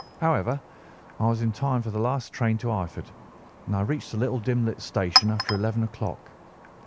However, I was in time for the last train to Eyford, and I reached the little dim lit station after eleven o'clock.